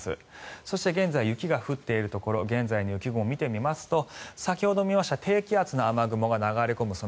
そして現在雪が降っているところ現在の雪雲を見てみますと先ほど見ました低気圧の雨雲が流れ込むその